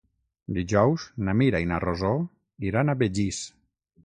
Dijous na Mira i na Rosó iran a Begís.